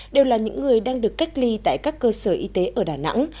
đều là những người đang được cách ly tại các cơ sở y tế ở đà nẵng